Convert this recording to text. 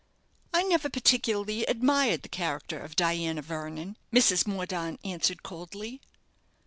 "I never particularly admired the character of Diana Vernon," Mrs. Mordaunt answered, coldly.